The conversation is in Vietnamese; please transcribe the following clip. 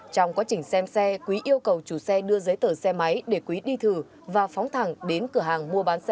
trong quá trình xem xe quý yêu cầu chủ xe đưa giấy tờ xe máy để quý đi thử và phóng thẳng đến cửa hàng mua bán xe